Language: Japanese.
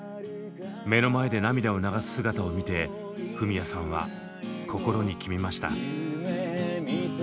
目の前で涙を流す姿を見てフミヤさんは心に決めました。